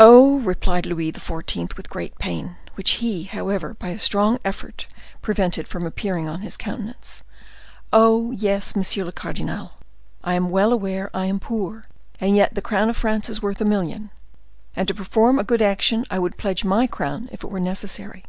"Oh!" replied Louis XIV., with great pain, which he, however, by a strong effort, prevented from appearing on his countenance;—"oh! yes, monsieur le cardinal, I am well aware I am poor, and yet the crown of France is worth a million, and to perform a good action I would pledge my crown if it were necessary.